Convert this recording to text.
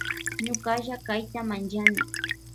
Ñukalla kayta manllani.